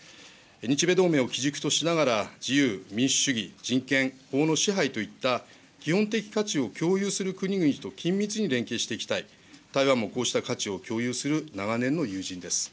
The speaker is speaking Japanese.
日米同盟を基軸としながら、自由、民主主義、人権、法の支配といった、基本的価値を共有する国々と緊密に連携していきたい、台湾もこうした価値を共有する長年の友人です。